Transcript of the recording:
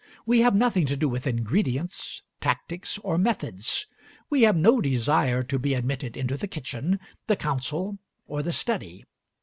We have nothing to do with ingredients, tactics, or methods. We have no desire to be admitted into the kitchen, the council, or the study.